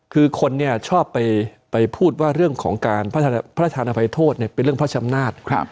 คือคนชอบไปพูดว่าเรื่องของการพระราชธานภัยโทษเป็นเรื่องพระชำนาจ